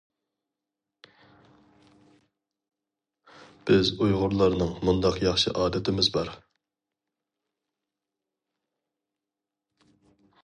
بىز ئۇيغۇرلارنىڭ مۇنداق ياخشى ئادىتىمىز بار.